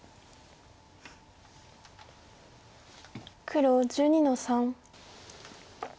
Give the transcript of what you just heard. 黒１２の三。